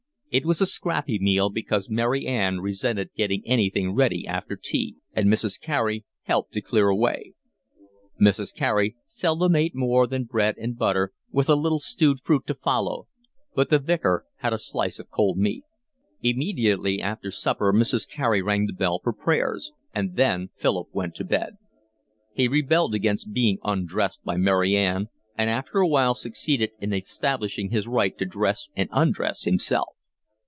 It was a scrappy meal because Mary Ann resented getting anything ready after tea, and Mrs. Carey helped to clear away. Mrs. Carey seldom ate more than bread and butter, with a little stewed fruit to follow, but the Vicar had a slice of cold meat. Immediately after supper Mrs. Carey rang the bell for prayers, and then Philip went to bed. He rebelled against being undressed by Mary Ann and after a while succeeded in establishing his right to dress and undress himself.